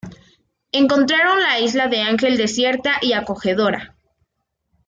Encontraron la Isla de Ángel, desierta y acogedora.